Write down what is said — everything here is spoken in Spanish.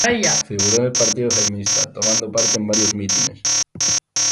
Figuró en el partido jaimista, tomando parte en varios mítines.